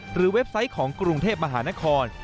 เว็บไซต์ของกรุงเทพมหานคร